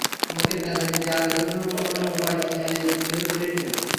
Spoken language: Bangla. ওকে প্যাদানি দেয়ার অন্য কোনো উপায় সেই বের করেই নেবে।